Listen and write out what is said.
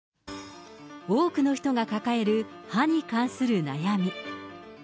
多くの人が抱える歯に関する悩み。